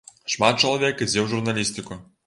Шмат чалавек ідзе ў журналістыку.